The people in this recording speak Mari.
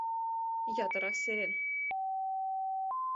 Ятырак серен.